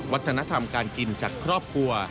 วัฒนธรรมการกินจากครอบครัว